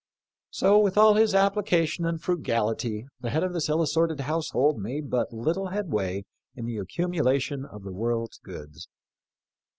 So with all his application and frugality the head of this ill assorted household 22 7 HE llPi: of LINCOtN^. made but little headway in the accumulation of the world's goods.